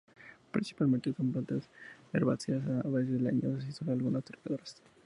Principalmente son plantas herbáceas, a veces leñosas y sólo algunas trepadoras.